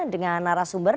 dengan arah sumber